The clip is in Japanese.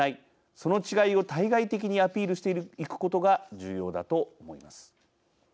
その違いを対外的にアピールしていくことが重要だと思います。